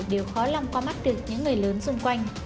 đều khó lòng qua mắt được những người lớn xung quanh